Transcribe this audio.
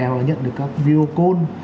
hoặc là nhận được các view code